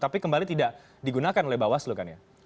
tapi kembali tidak digunakan oleh bawah seluruh kan ya